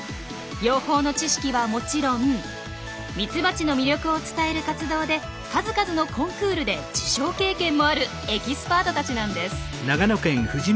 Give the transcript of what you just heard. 養蜂の知識はもちろんミツバチの魅力を伝える活動で数々のコンクールで受賞経験もあるエキスパートたちなんです。